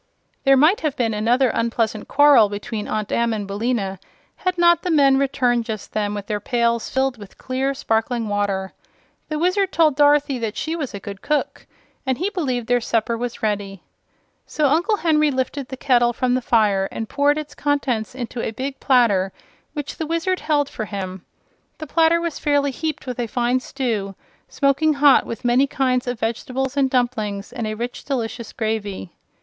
There might have been another unpleasant quarrel between Aunt Em and Billina had not the men returned just then with their pails filled with clear, sparkling water. The Wizard told Dorothy that she was a good cook and he believed their supper was ready. So Uncle Henry lifted the kettle from the fire and poured its contents into a big platter which the Wizard held for him. The platter was fairly heaped with a fine stew, smoking hot, with many kinds of vegetables and dumplings and a rich, delicious gravy.